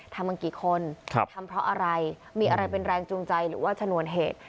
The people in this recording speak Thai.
ทำกันกี่คนทำเพราะอะไรมีอะไรเป็นแรงจูงใจหรือว่าชนวนเหตุ